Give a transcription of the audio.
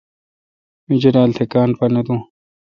می جولال تھ کاں پا نہ دو۔